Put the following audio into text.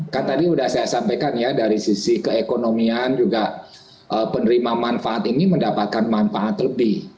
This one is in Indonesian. kan tadi sudah saya sampaikan ya dari sisi keekonomian juga penerima manfaat ini mendapatkan manfaat lebih